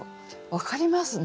分かりますね。